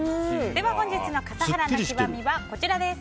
本日の笠原の極みはこちらです。